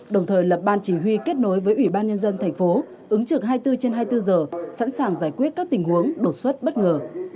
đồng thời lập ban chỉ huy kết nối với ủy ban nhân dân thành phố ứng trực hai mươi bốn trên hai mươi bốn giờ sẵn sàng giải quyết các tình huống đột xuất bất ngờ